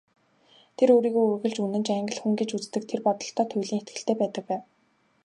Тэр өөрийгөө үргэлж үнэнч Англи хүн гэж үздэг, тэр бодолдоо туйлын итгэлтэй байдаг байв.